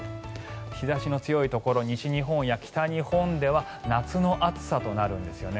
日差しの強いところ西日本や北日本では夏の暑さとなるんですよね。